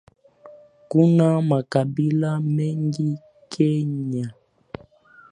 Kuna makabila mengi kenya